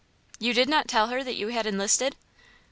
"You did not tell her that you had enlisted?"